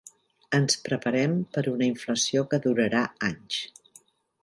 Ens preparem per a una inflació que durarà anys.